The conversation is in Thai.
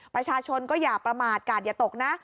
ประชาชนก็อย่าประมาทกาดอย่าตกนะ